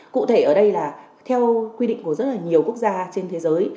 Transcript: cụ thể ở đây là theo quy định của rất là nhiều quốc gia trên thế giới